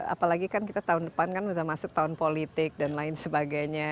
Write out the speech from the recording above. apalagi kan kita tahun depan kan sudah masuk tahun politik dan lain sebagainya